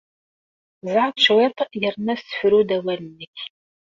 Zɛeḍ cwiṭ yerna ssefru-d awal-nnek.